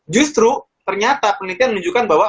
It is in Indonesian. justru ternyata penelitian menunjukkan bahwa